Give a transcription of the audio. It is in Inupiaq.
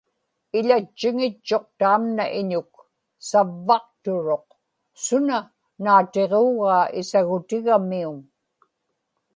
iḷatchiŋitchuq taamna iñuk; savvaqturuq; suna naatiġuugaa isagutigamiuŋ